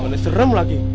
mana serem lagi